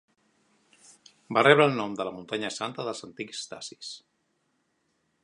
Va rebre el nom de la muntanya santa dels antics dacis.